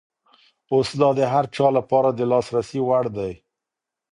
اوس دا د هر چا لپاره د لاسرسي وړ دی.